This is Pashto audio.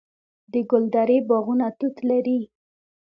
د ګلدرې باغونه توت لري.